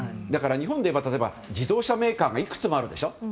だから、日本でいえば例えば、自動車メーカーがいくつもあるでしょ。